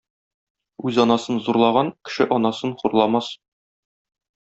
Үз анасын зурлаган, кеше анасын хурламас.